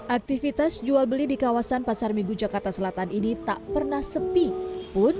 aktivitas jual beli di kawasan pasar minggu jakarta selatan ini tak pernah sepi pun